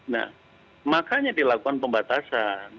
nah makanya dilakukan pembatasan